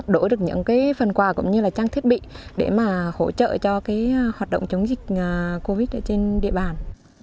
đổi được những phần quà cũng như là trang thiết bị để mà hỗ trợ cho hoạt động chống dịch covid trên địa bàn